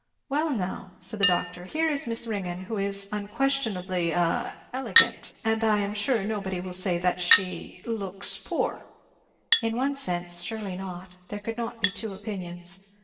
"Well now," said the doctor, "here is Miss Ringgan, who is unquestionably a elegant! and I am sure nobody will say that she looks poor!" In one sense, surely not! There could not be two opinions.